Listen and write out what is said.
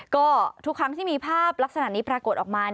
ก็ทุกครั้งที่มีภาพลักษณะนี้ปรากฏออกมา